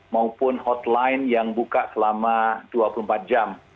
maupun hotline yang buka selama dua puluh empat jam